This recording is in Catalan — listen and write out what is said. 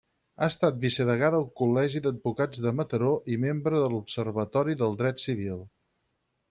Ha estat vicedegà del Col·legi d'Advocats de Mataró i membre de l'Observatori del Dret Civil.